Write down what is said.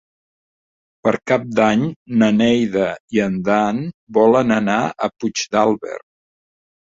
Per Cap d'Any na Neida i en Dan volen anar a Puigdàlber.